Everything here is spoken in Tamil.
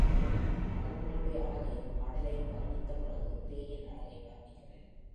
அணங்குகளுடைய அழகையும் ஆடலையும் வருணித்தபிறகு பேயின் அழகை வருணிக்கிறார்.